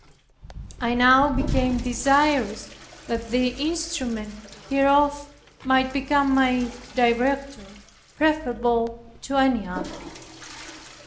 I now became desirous that the instrument hereof might become my director, preferable to any other.